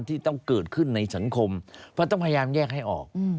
ที่ต้องเกิดขึ้นในสังคมเพราะต้องพยายามแยกให้ออก